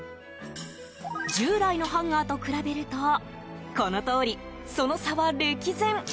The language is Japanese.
従来のハンガーと比べるとこのとおり、その差は歴然。